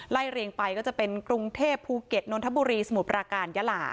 เรียงไปก็จะเป็นกรุงเทพภูเก็ตนนทบุรีสมุทรปราการยาลา